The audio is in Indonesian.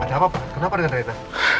ada apa pak kenapa dengan rena